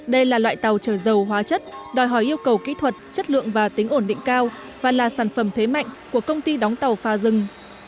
đây là loại tàu trở dầu hóa chất đòi hỏi yêu cầu kỹ thuật chất lượng và tính ổn định cao và là sản phẩm thế mạnh của công ty đóng tàu pha rừng